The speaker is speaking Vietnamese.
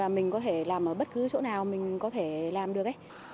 mình có thể làm ở bất cứ chỗ nào mình có thể làm được